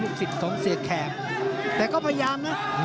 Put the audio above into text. สิทธิ์ของเสียแขกแต่ก็พยายามนะ